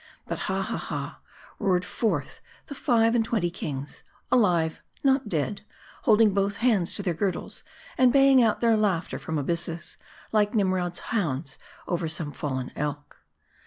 But ha, ha, ha, roared forth the five and twenty kings alive, not dead holding both hands to their girdles, arid baying out their laughter from abysses ; like Nimrod's hounds over some fallen elk.